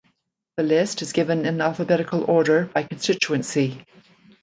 The list is given in alphabetical order by constituency.